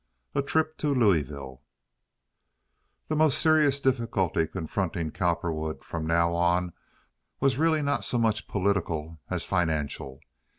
A Trip to Louisville The most serious difficulty confronting Cowperwood from now on was really not so much political as financial.